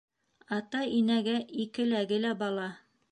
Ата-инәгә икеләге лә бала